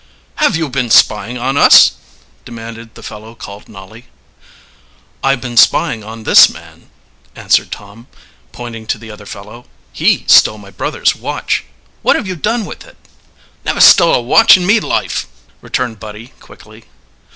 "Have you been spying on us?" demanded the fellow called Nolly. "I've been spying on this man," answered Tom, pointing to the other fellow. "He stole my brother's watch. What have you done with it?" "Never stole a watch in me life!" returned Buddy quickly.